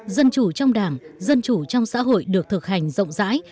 dân chủ trong đảng dân chủ trong xã hội được thực hành rộng rãi